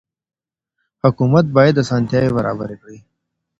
حکومت بايد اسانتياوي برابري کړي.